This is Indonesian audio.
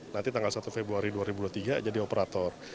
nanti tanggal satu februari dua ribu dua puluh tiga jadi operator